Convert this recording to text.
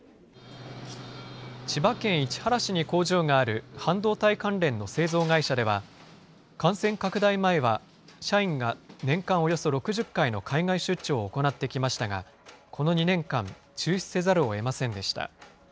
千葉県市原市に工場がある半導体関連の製造会社では、感染拡大前は、社員が年間およそ６０回の海外出張を行ってきましたが、この２年間、中止せざるをえませんでした。